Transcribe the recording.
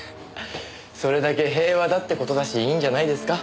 それだけ平和だって事だしいいんじゃないですか。